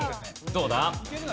どうだ？